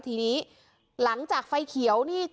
ทีนี้หลังจากไฟเขียวนี่